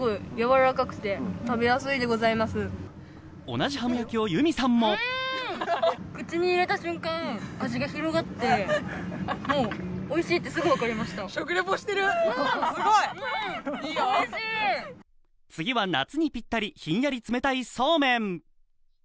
同じハム焼きをユミさんも次は夏にぴったりひんやり冷たいそうめん。